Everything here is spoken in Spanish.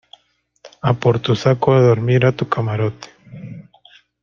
a por tu saco de dormir a tu camarote.